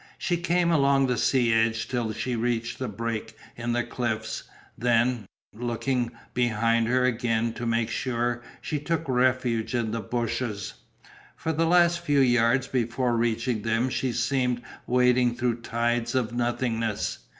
She came along the sea edge till she reached the break in the cliffs, then, looking behind her again to make sure, she took refuge in the bushes. For the last few yards before reaching them she seemed wading through tides of nothingness.